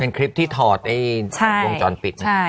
เป็นคลิปที่ถอดวงจรปิดนะ